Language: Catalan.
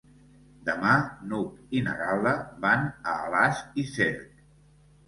Demà n'Hug i na Gal·la van a Alàs i Cerc.